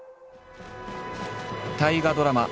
大河ドラマ